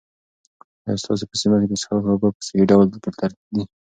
آیا ستاسو په سیمه کې د څښاک اوبه په صحي ډول فلټر دي؟